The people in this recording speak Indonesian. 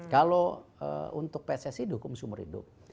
kalau untuk pssc itu hukum sumber hidup